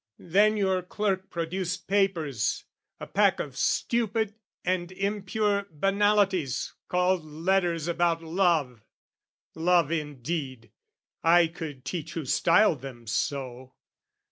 Then your clerk produced Papers, a pack of stupid and impure Banalities called letters about love Love, indeed, I could teach who styled them so.